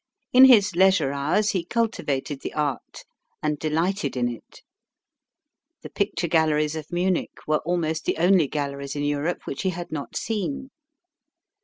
In his leisure hours he cultivated the art, and delighted in it. The picture galleries of Munich were almost the only galleries in Europe which he had not seen.